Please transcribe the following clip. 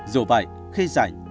dù vậy khi rảnh